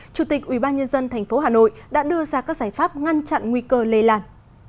chủ tịch ubnd thành phố hà nội đã đưa ra các giải pháp ngăn chặn nguy cơ lây lan